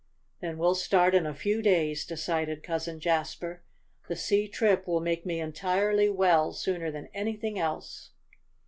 "Then we'll start in a few days," decided Cousin Jasper. "The sea trip will make me entirely well, sooner than anything else."